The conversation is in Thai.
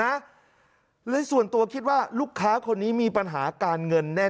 นะเลยส่วนตัวคิดว่าลูกค้าคนนี้มีปัญหาการเงินแน่